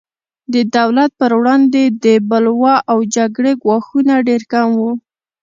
د دولت پر وړاندې د بلوا او جګړې ګواښونه ډېر کم وو.